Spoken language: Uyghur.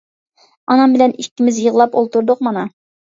ئانام بىلەن ئىككىمىز يىغلاپ ئولتۇردۇق مانا.